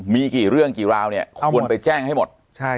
มีกี่เรื่องกี่ราวเนี่ยควรไปแจ้งให้หมด